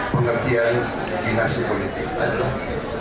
pengertian dinasti politik adalah